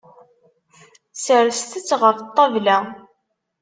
Serset-tt ɣef ṭṭabla.